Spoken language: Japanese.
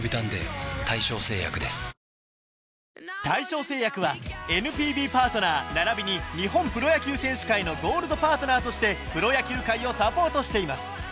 「大正製薬」はＮＰＢパートナーならびに日本プロ野球選手会のゴールドパートナーとしてプロ野球界をサポートしています